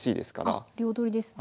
あ両取りですね。